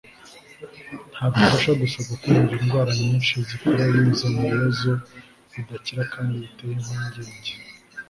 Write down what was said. ntabwo ifasha gusa gukumira indwara nyinshi zikura binyuze mubibazo bidakira kandi biteye impungenge